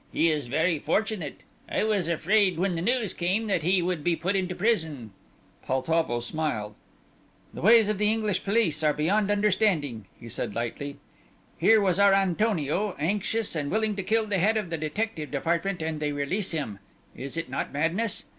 "He is very fortunate. I was afraid when the news came that he would be put into prison." Poltavo smiled. "The ways of the English police are beyond understanding," he said lightly. "Here was our Antonio, anxious and willing to kill the head of the detective department, and they release him! Is it not madness?